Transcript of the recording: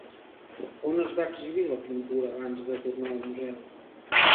On es va exhibir la pintura abans de tornar al museu?